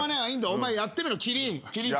お前やってみろキリン。